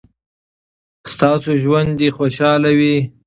ستاسو ژوند دې خوشحاله وي.